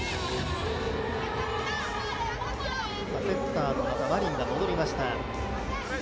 セッターのマリンが戻りました。